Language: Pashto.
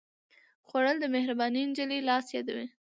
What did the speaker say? خوړل د مهربانې نجلۍ لاس یادوي